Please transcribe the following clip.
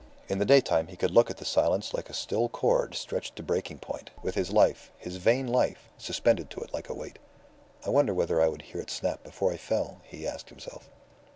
In the daytime he could look at the silence like a still cord stretched to breaking point, with his life, his vain life, suspended to it like a weight. "I wonder whether I would hear it snap before I fell," he asked himself.